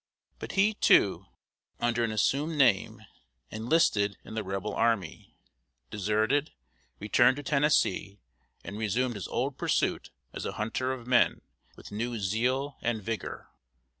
But he, too, under an assumed name, enlisted in the Rebel army, deserted, returned to Tennessee, and resumed his old pursuit as a hunter of men with new zeal and vigor.